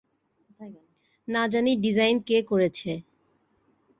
না জানি ডিজাইন কে করেছে?